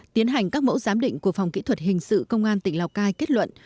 tiến hành các mẫu giám định của phòng kỹ thuật hình sự công an tỉnh lào cai kết luận